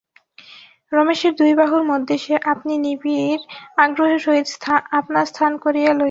রমেশের দুই বাহুর মধ্যে সে আপনি নিবিড় আগ্রহের সহিত আপনার স্থান করিয়া লইল।